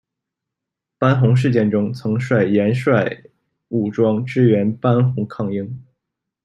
班洪事件中曾率岩帅武装支援班洪抗英。